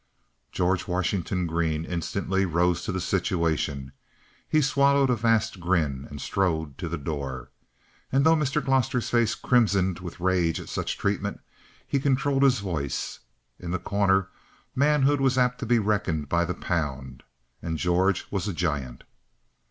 George Washington Green instantly rose to the situation; he swallowed a vast grin and strode to the door. And though Mr. Gloster's face crimsoned with rage at such treatment he controlled his voice. In The Corner manhood was apt to be reckoned by the pound, and George was a giant.